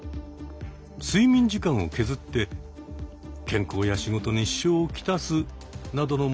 睡眠時間を削って健康や仕事に支障をきたすなどの問題も起きています。